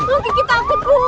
oh kiki takut bu